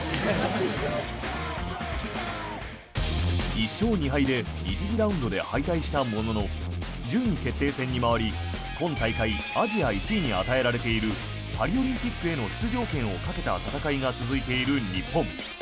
１勝２敗で１次ラウンドで敗退したものの順位決定戦に回り、今大会アジア１位に与えられているパリオリンピックへの出場権をかけた戦いが続いている日本。